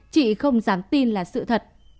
chị không dám tin là sự thật